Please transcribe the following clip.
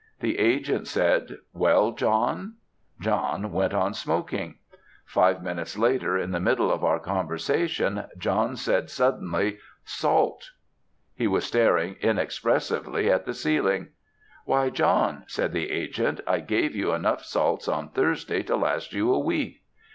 The agent said, "Well, John?" John went on smoking. Five minutes later, in the middle of our conversation, John said suddenly, "Salt." He was staring inexpressively at the ceiling. "Why, John," said the agent, "I gave you enough salts on Thursday to last you a week."